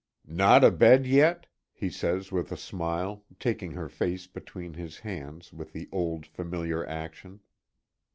"Not abed yet?" he says with a smile, taking her face between his hands, with the old, familiar action.